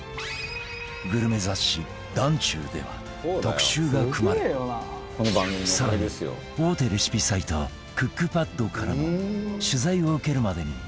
グルメ雑誌『ｄａｎｃｙｕ』では特集が組まれ更に大手レシピサイト ｃｏｏｋｐａｄ からも取材を受けるまでに